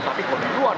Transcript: tapi kalau di luar